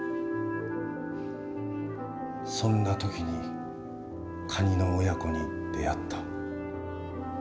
そんな時にカニの親子に出会った。